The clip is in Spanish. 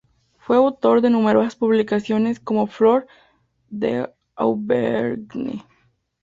Fue autor de numerosas publicaciones como Flore d'Auvergne.